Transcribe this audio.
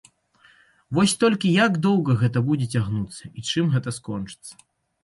Вось толькі як доўга гэта будзе цягнуцца і чым гэта скончыцца?